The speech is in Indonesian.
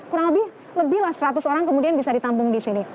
kurang lebih seratus orang kemudian bisa ditampung di sini